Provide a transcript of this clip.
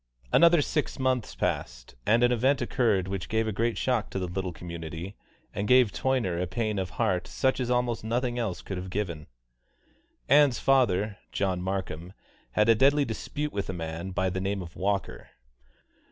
Another six months passed, and an event occurred which gave a great shock to the little community and gave Toyner a pain of heart such as almost nothing else could have given. Ann's father, John Markham, had a deadly dispute with a man by the name of Walker.